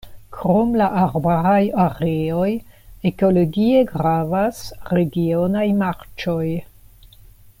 Krom la arbaraj areoj ekologie gravas regionaj marĉoj.